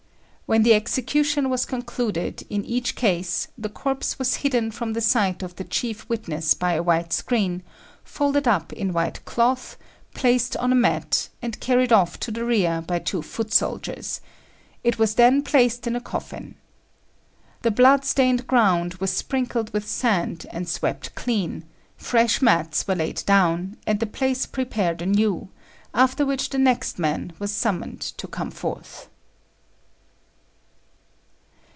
When the execution was concluded in each case, the corpse was hidden from the sight of the chief witness by a white screen, folded up in white cloth, placed on a mat, and carried off to the rear by two foot soldiers; it was then placed in a coffin. The blood stained ground was sprinkled with sand, and swept clean; fresh mats were laid down, and the place prepared anew; after which the next man was summoned to come forth.